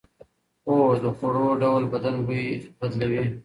هو، د خوړو ډول بدن بوی بدلوي.